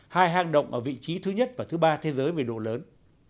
hai hang động ở vị trí thứ nhất và thứ ba thế giới về độ lớn